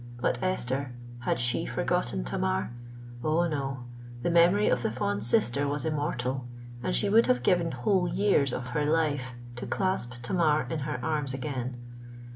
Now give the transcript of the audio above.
But Esther—had she forgotten Tamar? Oh! no—the memory of the fond sister was immortal; and she would have given whole years of her life to clasp Tamar in her arms again!